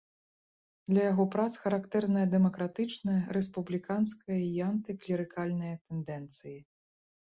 Для яго прац характэрная дэмакратычная, рэспубліканская і антыклерыкальная тэндэнцыі.